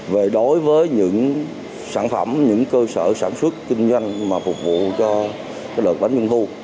về đối với những sản phẩm những cơ sở sản xuất kinh doanh mà phục vụ cho lợn bánh trung thu